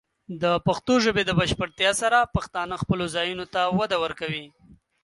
د پښتو ژبې د بشپړتیا سره، پښتانه خپلو ځایونو ته وده ورکوي.